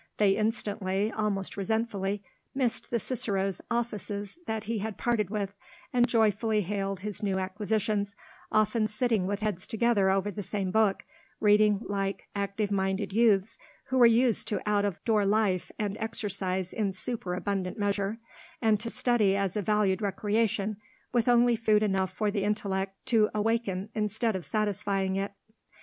They instantly, almost resentfully, missed the Cicero's Offices that he had parted with, and joyfully hailed his new acquisitions, often sitting with heads together over the same book, reading like active minded youths who were used to out of door life and exercise in superabundant measure, and to study as a valued recreation, with only food enough for the intellect to awaken instead of satisfying it.